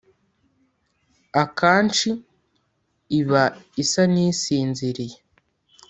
akanshi iba isa n’isinziriye